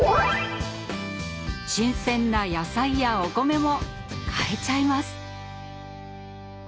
新鮮な野菜やお米も買えちゃいます。